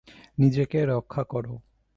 নিজেকে রক্ষা করো!